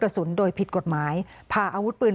ไม่รู้จริงว่าเกิดอะไรขึ้น